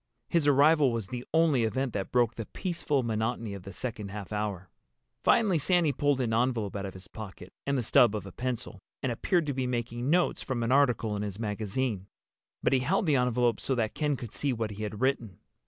His arrival was the only event that broke the peaceful monotony of the second half hour. Finally Sandy pulled an envelope out of his pocket, and the stub of a pencil, and appeared to be making notes from an article in his magazine. But he held the envelope so that Ken could see what he had written.